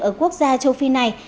ở quốc gia châu phi này